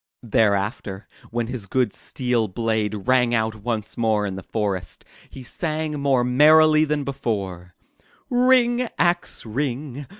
Thereafter, when his good steel blade rang out once more in the forest, he sang more merrily than before: '*Ring, axe, ring!